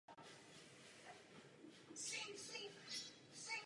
V juniorských letech si zahrál na Letních olympijských hrách v Sydney.